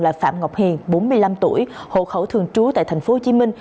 là phạm ngọc hiền bốn mươi năm tuổi hộ khẩu thường trú tại thành phố hồ chí minh